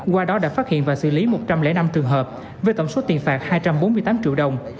qua đó đã phát hiện và xử lý một trăm linh năm trường hợp với tổng số tiền phạt hai trăm bốn mươi tám triệu đồng